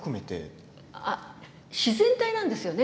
自然体なんですよね